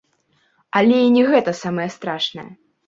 Але і не гэта самае страшнае!